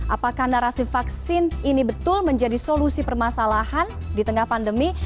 apakah narasi vaksin ini betul menjadi solusi permasalahan di tengah pandemi